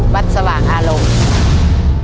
วัดสว่างอารมณ์